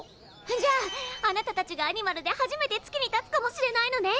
じゃああなたたちがアニマルで初めて月に立つかもしれないのね！